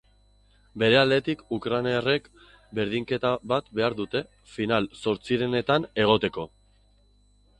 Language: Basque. Bere aldetik, ukrainarrek berdinketa bat behar dute final-zortzirenetan egoteko.